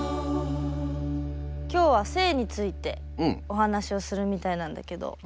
今日は性についてお話をするみたいなんだけど。